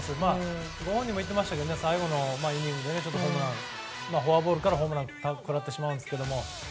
ご本人も言っていましたが最後のイニングでフォアボールからホームランを食らってしまいますが。